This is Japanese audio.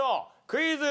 クイズ。